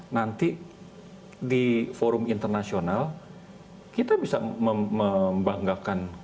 nanti di forum internasional kita bisa membanggakan